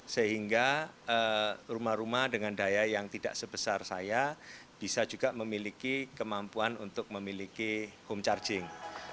sehingga rumah rumah dengan daya yang tidak sebesar saya bisa juga memiliki kemampuan untuk memiliki home charging